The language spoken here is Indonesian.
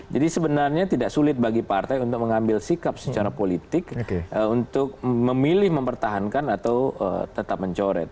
jadi sebenarnya tidak sulit bagi partai untuk mengambil sikap secara politik untuk memilih mempertahankan atau tetap mencoret